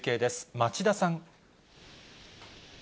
町田さん。